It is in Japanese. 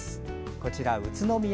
こちら、宇都宮。